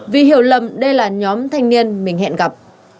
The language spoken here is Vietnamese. vì hiểu lầm đây là nhóm thanh niên mình hẹn gặp